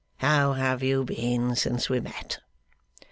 How have you been since we met?